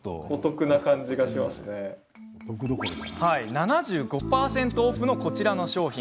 ７５％オフのこちらの商品。